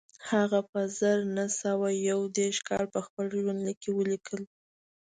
هغه په زر نه سوه یو دېرش کال په خپل ژوندلیک کې ولیکل